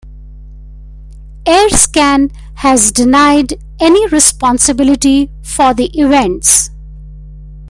AirScan has denied any responsibility for the events.